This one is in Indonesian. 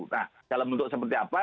nah dalam bentuk seperti apa